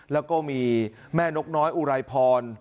แล้วก็มีแม่นกน้อยอุไรพร